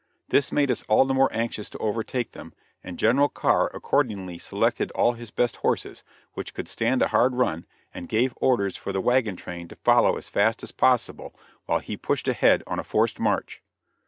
This made us all the more anxious to overtake them, and General Carr accordingly selected all his best horses, which could stand a hard run, and gave orders for the wagon train to follow as fast as possible, while he pushed ahead on a forced march.